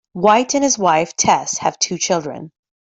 White and his wife, Tess, have two children.